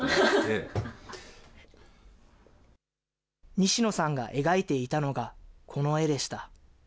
西野さんが描いていたのが、この絵でした。